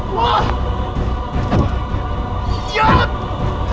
gua akan mulai mengangkatnya